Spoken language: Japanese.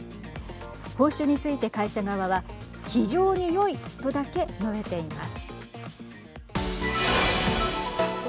報酬について会社側は非常によいとだけ述べています。